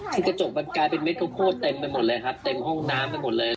คือกระจกมันกลายเป็นเม็ดข้าวโพดเต็มไปหมดเลยครับเต็มห้องน้ำไปหมดเลย